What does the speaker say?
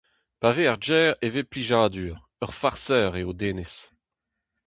Pa vez er gêr e vez plijadur : ur farser eo Denez.